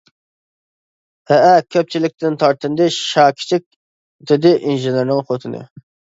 -ھەئە، كۆپچىلىكتىن تارتىندى شاكىچىك، -دېدى ئىنژېنېرنىڭ خوتۇنى.